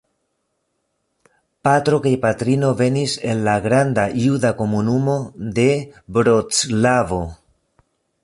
Patro kaj patrino venis el la granda juda komunumo de Vroclavo.